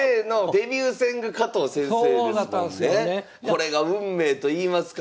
これが運命といいますか。